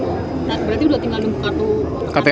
berarti udah tinggal dibuka tuh